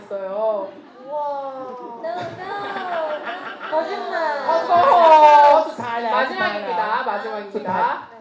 สุดท้ายแล้ว